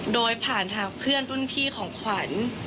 โดยผ่านทางเพื่อนรุ่นพี่ของขวัญ